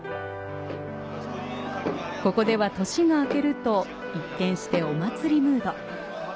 ここでは年が明けると一転してお祭りムード。